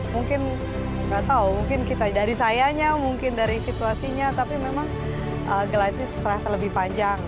mungkin gak tau mungkin kita dari sayanya mungkin dari situasinya tapi memang gelatit serasa lebih panjang